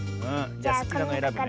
じゃすきなのえらぶね。